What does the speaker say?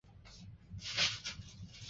出身于神奈川县厚木市。